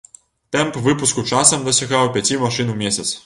Тэмп выпуску часам дасягаў пяці машын у месяц.